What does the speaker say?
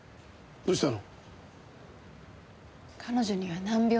どうしたの？